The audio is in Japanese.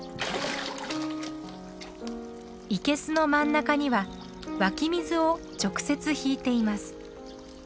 生けすの真ん中には湧き水を直接引いています。